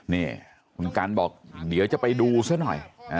นี่คุณกันบอกเดี๋ยวจะไปดูซะหน่อย